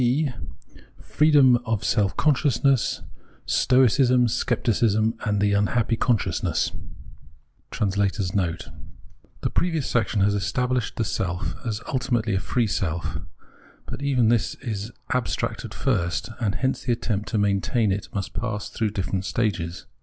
B FREEDOM OF SELF CONSCIOUSNESS STOICISM: SCEPTICISM: THE UNHAPPY CONSCIOUSNESS [The previous section has established the self as ultimately a free self. But even this is abstract at first, and hence the attempt to maintain it must pass through different stages.